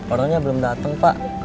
orangnya belum dateng pak